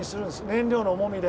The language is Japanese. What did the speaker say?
燃料の重みで。